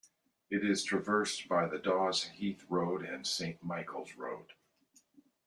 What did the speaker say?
It is traversed by the Daws Heath Road and Saint Michael's Road.